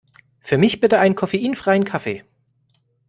Für mich bitte einen koffeinfreien Kaffee!